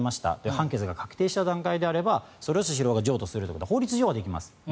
判決が確定した段階であればそれをスシローが譲渡するということは法律上はできます。